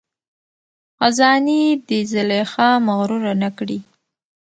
خزانې دي زلیخا مغروره نه کړي